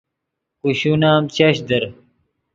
کوشون ام چش در